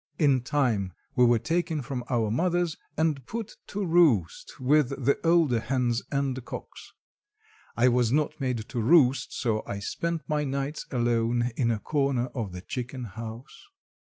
In time we were taken from our mothers and put to roost with the older hens and cocks. I was not made to roost so I spent my nights alone in a corner of the chicken house.